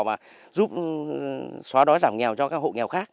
và giúp xóa đói giảm nghèo cho các hộ nghèo khác